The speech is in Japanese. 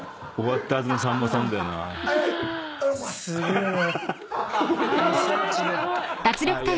えすごい！